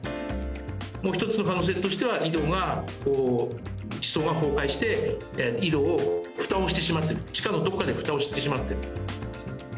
もう１つの可能性としては井戸が地層が崩壊して井戸にふたをしてしまっている地下のどこかでふたをしてしまっている。